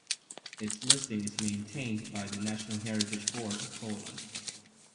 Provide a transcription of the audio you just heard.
Its listing is maintained by the National Heritage Board of Poland.